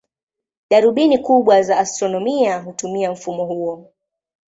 Darubini kubwa za astronomia hutumia mfumo huo.